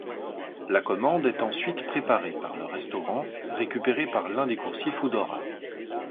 La commande est ensuite préparée par le restaurant, récupérée par l'un des coursiers Foodora.